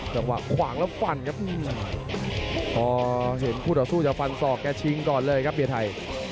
จังหวะขวางแล้วฟันครับพอเห็นคู่ต่อสู้จะฟันศอกแกชิงก่อนเลยครับเบียร์ไทย